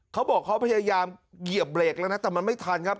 เขาบอกเขาพยายามเหยียบเบรกแล้วนะแต่มันไม่ทันครับ